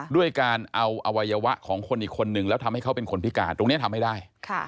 ด้วยการเอาอวัยวะของคนอีกคนนึงแล้วทำให้เขาเป็นคนพิการตรงนี้ทำให้ได้